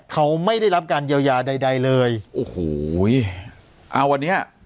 เขาไม่ได้รับการเยียวยาใดใดเลยโอ้โหอ่าวันนี้